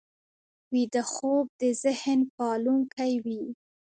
ویده خوب د ذهن پاکوونکی وي